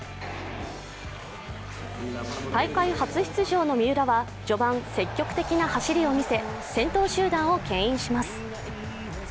大会初出場の三浦は序盤、積極的な走りを見せ先頭集団をけん引します。